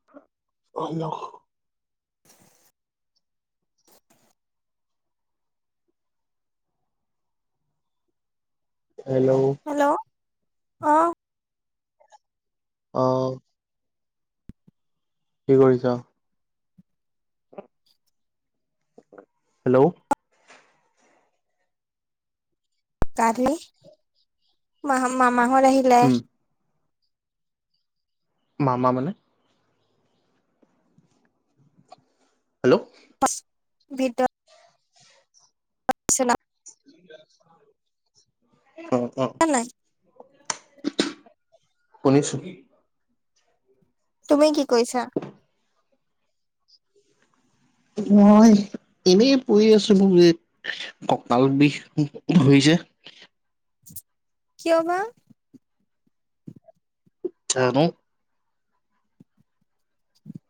[unintelligible] [inaudible] Hello? Hello? অ'! অ'! কি কৰিছ? হেল্ল'? গা-ধুই, মা-মামাহঁত আহিলে। উম মামা মানে? হেল্ল'? [unintelligible] [unintelligible] [unintelligible] [unintelligible] নাই। [unintelligible] শুনিছোঁ। তুমি কি কৰিছা? মই, এনেই পৰি আছোঁ, [unintelligible] ককাল বিষ, ধৰিছে! কিয় বা? জানোঁ!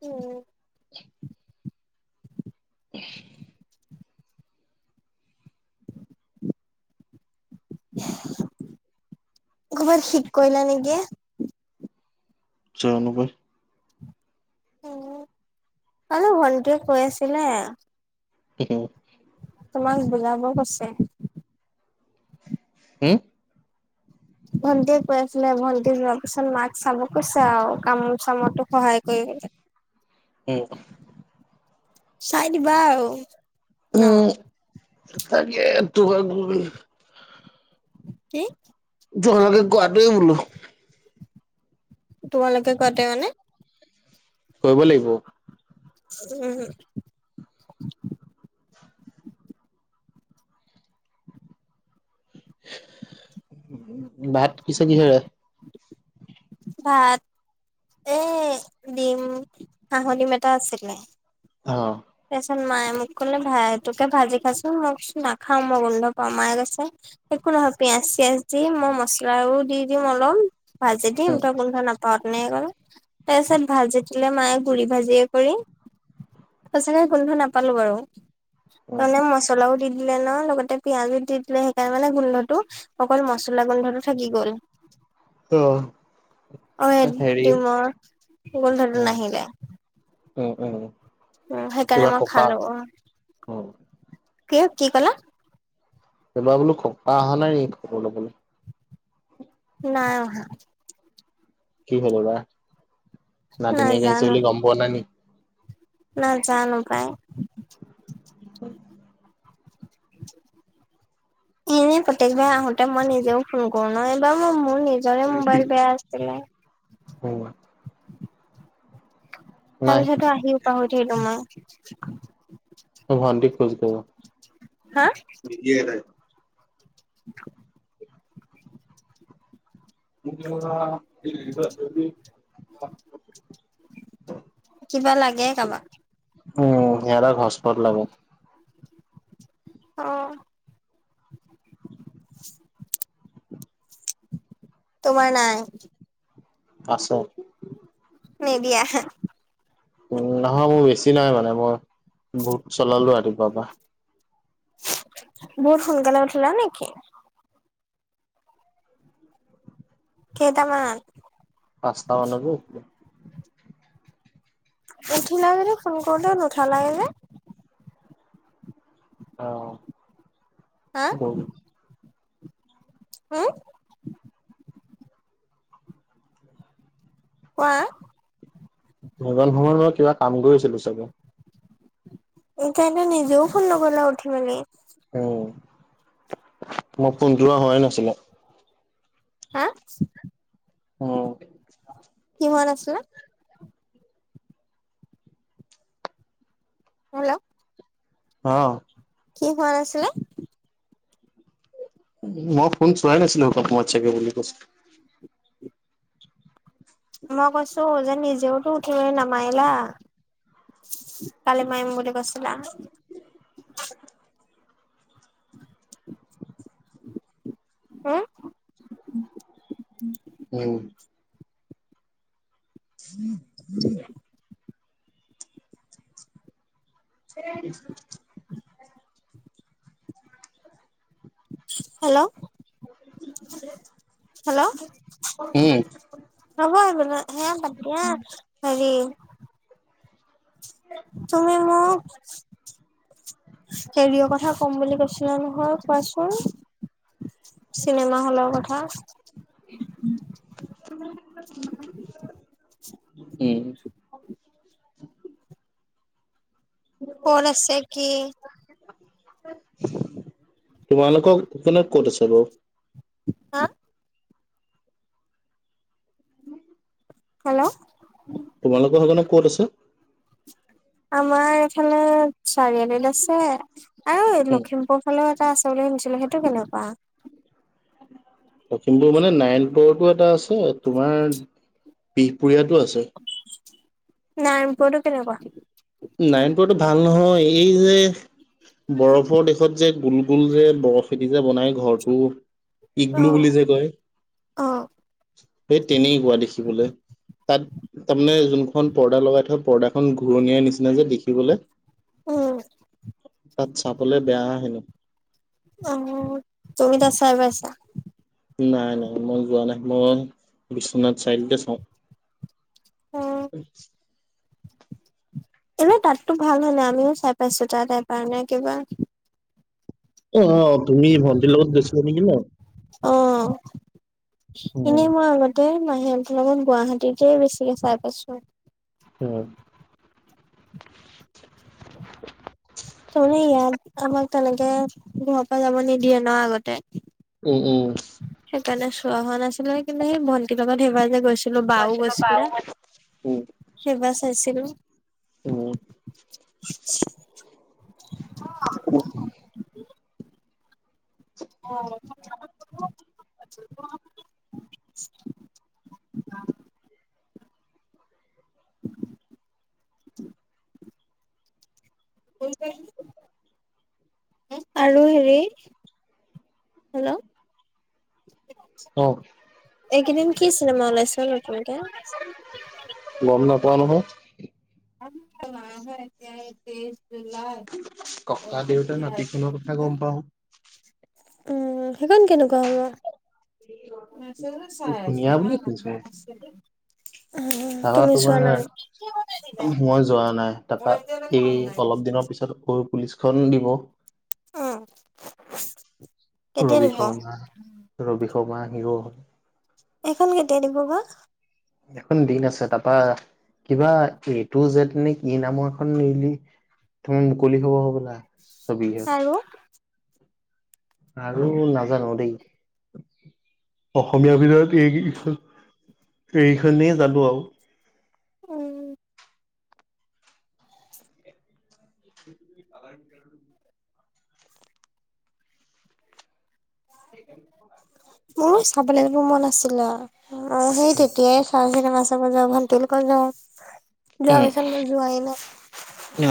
উম। [unintelligible] [unintelligible] ক'ৰবাত ঠিক কৰিলা নেকি? জানোঁ পাই! উম, কালি ভন্টিয়ে কৈ আছিলে। [unintelligible] তোমাক বুজাব কৈছে? উম। ভণ্ন্টিয় কৈ আছিলে, ভন্টি যোৱাৰ পিছত, মাক চাব কৈছে আৰু। কাম চামতো সহায় কৰিবি। [inaudible] উম। চাই দিবা আৰু? ন উম, তাকে তোমক [unintelligible] [inaudible] কি? তোমালোকে কোৱাটোৱে বোলোঁ। তোমালোকে কোৱাতে মানে খোৱাবই লাগিব। উম। ভাত পিছে কিহেৰে? ভাত এ ডিম, হাঁহৰ ডিম এটা আছিলে। অ'। তাৰপিছত মায়ে মোক ক'লে ভায়েটোকে ভাজি খাচোন মোক নাখাও মই গোন্ধ পাওঁ মায়ে কৈছে একো নহয় পিয়াজ চিয়াজ দি মই মচলাও দি দিওঁ অলপ ভাজ দিম উম তই গোন্ধ নাপাওঁ তেনেকে ক'লে তাৰ পিছত ভাজি দিলে মায়ে গুৰি ভাজিয়ে কৰি। সঁচাকে গোন্ধ নাপালোঁ, বাৰু উম মানে মছলাও দি দিলে ন' লগতে পিয়াজো দি দিলে সেইকাৰণে মানে গোন্ধটো অকল মচলা গোন্ধটো থাকি গ'ল। অ'। অ', এ হেৰি ডিমৰ গোন্ধটো উম নাহিলে। উম, উম। উম, সেইকাৰণে এইবাৰ মই ককা খালোঁ অ', উম কি কি ক'লা? এবাৰ বোলো ককা অহা নাই নেকি খবৰ ল'বলৈ? নাই অহা। কি হবা দা, নাতিনীয়েক আহিছে নাজানো বুলি গম পোৱা নাই নেক নাজানো পায়। [inaudible] [inaudible] এনেই প্ৰত্যেকবাৰ আহোতে মই নিজেও ফোন কৰোঁ ন' এইবাৰ মোৰ নিজৰে মোবাইল বেয়া আছিলে। উম। নাই তাৰপিছতো আহি পাহৰি থৈ আহিলো মই। অ', ভন্তিক [unintelligible] হা? কিহেৰে [unintelligible] [inaudible] মোকা [unintelligible] কিবা লাগে কাবাক। উম, সিহঁতক সষ্ট পট লাগে। [inaudible] অ'। তোমাৰ নাই। আছে। নিদিয়ে হে। উম, নহয় মোৰ বেছি নাই মানে মই বহুত চলালোঁ ৰাতিপুৱাৰ পৰা। বহুত সোনকালে উঠিলা নেকি? কেইটামানত? পাঁচটা মানতে উঠিলোঁ। উঠিলা যদি ফোন কৰোতে নুঠালা যে। অ', হা [unintelligible] হম। কোৱা। মই সেই সময়ত মই কিবা কাম কৰি আছিলোঁ চাগে। সেই কাৰণে নিজেওঁ ফোন নকৰিলা অ উঠি মেলি। উম, মই ফোন যোৱা হোৱাই নাছিলে। হা উম। কি হোৱা নাছিলে। [inaudible] অঁ কি হোৱা নাছিলে? উম, মই ফোন চোৱাই নাছিলো সেই টো সময়ত চাগে বুলি কৈছোঁ। মই কৈছোঁ যে নিজেয়েতো উঠি মেলি নামাৰিলা। কালি মাৰিম বুলি কৈছিলা। হুম উম। [inaudible] [unintelligible] হেল্ল হেল্ল উম নহয় মানে হেয়া পাতিয়া হেৰি তুমি মোক হেৰিয় কথা ক'ম বুলি কৈছিলা নহয় কোৱাচোন? চিনেমা হলৰ কথা। [unintelligible] উম ক'ত আছে কি? তোমালোকৰ ই পিনে ক'ত আছে বাৰু? হা হেল্ল তোমালোকৰ হেইপিনে ক'ত আছে? আমাৰ এইফালে চাৰিআলিত আছে, আৰু উম, লখিমপুৰ ফালেও এটা আছে বুলি শুনিছিলোঁ, সেইটো কেনেকুৱা? লখিমপুৰৰ মানে নাৰায়ণপুৰটো এটা আছে, তোমাৰ বিহপুৰীয়াতো আছে। নাৰায়ণপুৰটো কেনেকুৱা? নাৰায়ণপুৰটো ভাল নহয়, এই যে বৰফৰ দেশত যে গোল গোল যে বৰফেদি যে বনাই ঘৰটো। অ ইগলু বুলি যে কয়, অ সেই তেনেকোৱা দেখিবলে। তাত তাৰমানে যোনখন পৰ্দা লগাই থয়, পৰ্দাখন ঘূৰণিয়াৰ নিচিনা যে দেখিবলে। উম। তাত চাবলে বেয়া হেনো। অঁ, তুমি তাত চাই পাইছা। নাই নাই মই যোৱা নাই, মই বিশ্বনাথ চাৰিআলিতে চাওঁ। অ [inaudible] এনেই তাততো ভাল হয় না, আমিয়ো চাই পাইছো তাত এই কাৰণে কিবা। অ তুমি ভণ্টিৰ লগত গছিলা নেকি ন? অঁ, উম এনেই মই আগ তে মাহি হতৰঁ লগত গুৱাহাটীতে বেছিকে চাই পাইছো। উম ত ইয়াত আমাক তেনেকে ঘৰৰ পৰা যাব নিদিয়ে ন আগতে উম উম সেইকাৰণে চোৱা হোৱা নাছিলে কিন্তু সেই ভন্তিৰ লগত সেইবাৰ যে গৈছিল ছিলো বাও গৈছিলে উম সেইবাৰ চাইছিলো উম [inaudible] [inaudible] অ [inaudible] [unintelligible] আৰু হেৰি হেল্লো অ এইকেইদিন কি চিনেমা ওলাইছে হোলত গম নাপাও নহয় [unintelligible] [inaudible] ককা দেউতা নাতি খনৰ কথা গম পাও উম সেইখন কেনেকোৱা হ'ব মেছেজে চাই আছে ধুনীয়া না বুলিয়ে শুনিছো [unintelligible] উম তাৰপা তুমি চোৱা তোমাৰ নাই নেকি মই যোৱা নাই তাপা এই অলপ দিনৰ পিছত চুৰ পুলিচখন দিব অ কেতিয়া ৰবি দিব? শৰ্মা ৰবি শৰ্মা হিৰো সেইখন কেতিয়া দিব বা এখন দিন আছে তাৰপা কিবা এ টু যেদ নে কি নামৰ এখন ৰিলি তোমাৰ মুকলি হ'ব হ'বলা চবি [unintelligible] আৰু? আৰু নাজানো দেই অসমীয়াৰ ভিতৰত এই কেইখন এইখনেই জানো আৰু উম [inaudible] মোৰো চাবলে যাব মন আছিলে অ সেই তেতিয়াই ভাল চিনেমা চাব যাও ভণ্টিৰ লগত যাওঁ যোৱা উম, পিছত মই যোৱাই নাই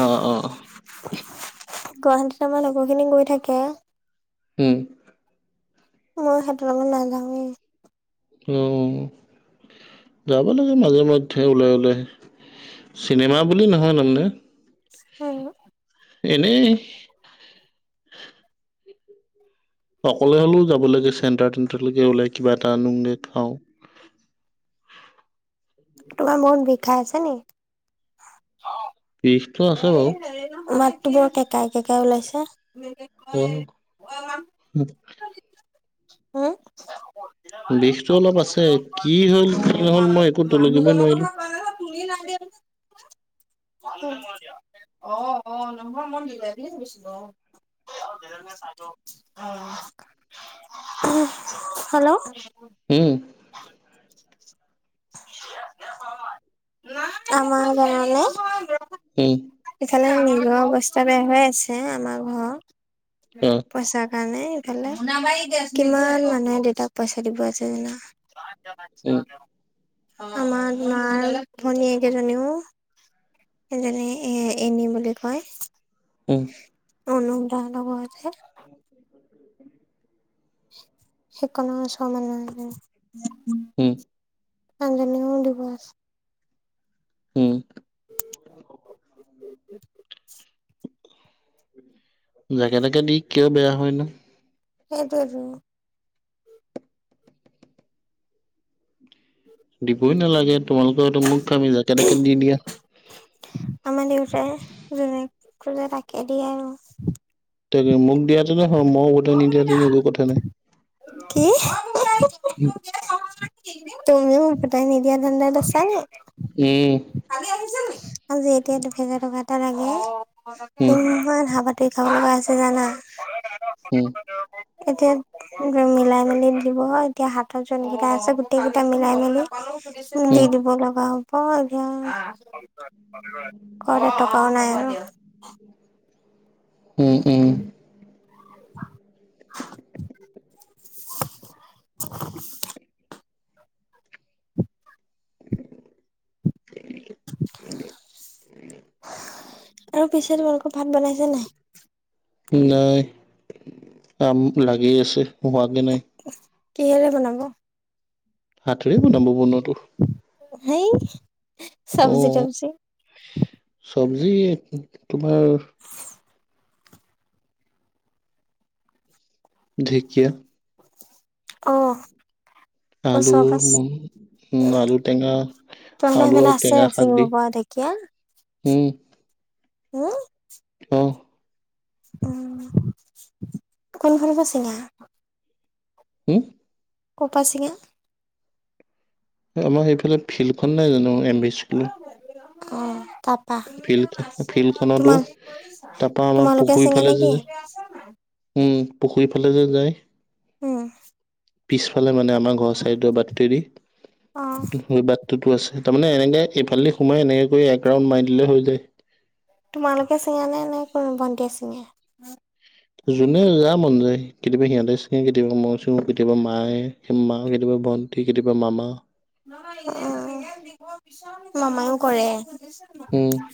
অ অ আমাৰ লগৰ খিনি গৈ থাকে হম মই সিহতৰ লগত নাযাওঁৱেই অ যাব লাগে মাজে মধ্যে ওলাই ওলাই চিনেমা বুলি নহয় তাৰমানে। উম। এনেই। অকলে হ'লেও যাব লাগে চেণ্টাৰ তেণ্টাৰলৈকে ওলাই কিবা এটা আনোগে খাওঁ। তোমাৰ মন বিষাই আছে নে। বিষটো আছে বাৰু মাতটো বৰ কেকাই কেকাই ওলাইছে। [unintelligible] উম বিষতটো অলপ আছে কি হ'ল কি নহল মই একো তলকিবই নোৱাৰিলো। অ'। অ', অ', নহয় মই নিলে বুলি ভাবিছিলোঁ অ'। হেল্ল? উম। আমাৰ গাওঁলে। উম। ইফালে নিজৰ অৱস্থা বেয়া হৈ আছে আমাৰ ঘৰৰ। অ পইচা কাৰণে এইফালে, কিমান মানুহে দেউতাক পইচা দিব আছে জানা। উম [unintelligible] আমাৰ মাৰ ভনীয়েক এজনীও এজনি এ এনি বুলি কয়। উম অনুপ দা হতৰ ঘৰত হে। সিকনৰ ওচৰৰ মানুহ এজনী, উম মানুহজনিকো দিব আছে। উম [unintelligible] জাকে তাকে দি কিয় বেয়া হয় নো। সেইটোয়েটো। [inaudible] দিবই নালাগে, তোমালোকৰ সেইটো মূৰ্খামি যাকে তাকে দি দিয়া। আমাৰ দেউতাই যোনে খোজে তাকে দিয়ে আৰু। তই কি মোক দিয়া মই উভতাই নিদিয়া হেঁতেন একো কথা নাই। কি তুমিও উভতাই নিদিয়া ধান্দাত আছা নি। উম। আজি এতিয়া দু হেজাৰ টকা এটা লাগে, উম উম কিমান হা কি খাব লগা হৈছে জানা? [unintelligible] উম। এতিয়া মিলাই মেলি দিব এতিয়া, হাতত যোনকেইটা আছে গোটেই কেইটা মিলাই মেলি। দি উম দিব লগা হব। হয় দিয়া ঘৰত এটকাও নাই আৰু। উম' উম'। [unintelligible] [unintelligible] আৰু পিছে তোমালোকৰ ভাত বনাইছে নাই? নাই, আ লাগি আছে হোৱাগে নাই। কিহেৰে বনাব? হাতেৰে বনাব বনোৱাটো। সেই অ চব্জি তব্জি। চব্জি তোমাৰ ঢেকিয়া। অ'। আলু, ওচৰ পাছ উম' আলু টেঙা। তোমালোকৰ আলু সেইফালে আৰু আছে টেঙা শাক দি ছিঙিব পৰা ঢেঁকীয়া? উম। উম। অ উম, কোনফালৰ পা চিঙা? হম? ক'পা ছিঙা? আমাৰ সেইফালে ফিল্ডখন নাই জানো, এম ভি স্কুলত? অ', তাত ফিল্ড ফিল্ডখনতো তোমাৰ, তাৰপা আমাৰ তোমা-তোমালোকে পুখুৰী চিঙা ফালে নে যে কি? উম, পুখুৰীৰ ফালে যে যায়। উম। পিছফালে মানে আমাৰ ঘৰৰ চাইডৰ বাট তোৱেদি, অ [unintelligible] বাট তাতো আছে, তাৰমানে এনেকে এইফালে সোমাই এনেকে কৰি এক ৰাউণ্ড মাৰি দিলে হৈ যায়। তোমালোকে চিঙা নে, নে কোনো ভণ্টিয়ে ছিঙে? জোনে যাৰ মন যায়, কেতিয়াবা সিহঁতে চিঙে, কেতিয়াবা মই চিঙো, কেতিয়াবা মায়ে। সেই মা, কেতিয়াবা ভণ্টি, কেতিয়াবা মামা। অ', মামায়ো কৰে? উম।